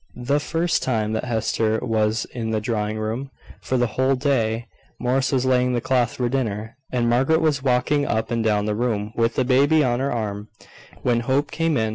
The first time that Hester was in the drawing room for the whole day, Morris was laying the cloth for dinner, and Margaret was walking up and down the room with the baby on her arm, when Hope came in.